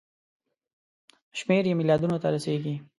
شمېر یې ملیاردونو ته رسیږي.